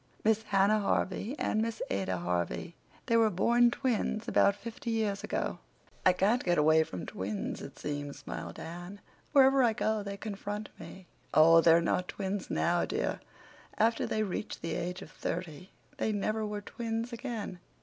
Miss Hannah Harvey and Miss Ada Harvey. They were born twins about fifty years ago." "I can't get away from twins, it seems," smiled Anne. "Wherever I go they confront me." "Oh, they're not twins now, dear. After they reached the age of thirty they never were twins again.